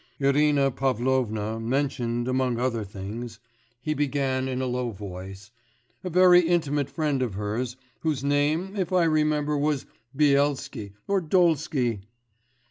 'Irina Pavlovna mentioned among other things,' he began in a low voice, 'a very intimate friend of hers, whose name if I remember was Byelsky, or Dolsky....